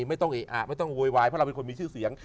ไม่ต้องเอะอะไม่ต้องโวยวายเพราะเราเป็นคนมีชื่อเสียง